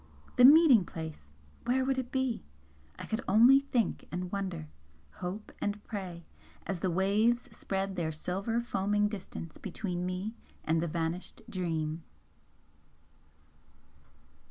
The meeting place! Where would it be? I could only think and wonder, hope and pray, as the waves spread their silver foaming distance between me and the vanished 'Dream.'